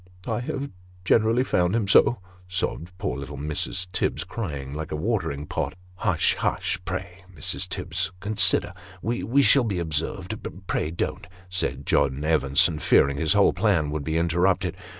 " I have generally found him so," sobbed poor little Mrs. Tibbs ; crying like a watering pot. " Hush ! hush ! pray Mrs. Tibbs consider we shall be observed pray, don't !" said John Evenson, fearing his whole plan would be interrupted.